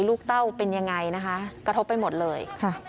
ลูกเจ้าเป็นยังไงกระทบไปหมดเลย